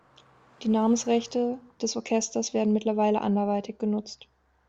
Die Namensrechte des Orchesters werden mittlerweile anderweitig genutzt.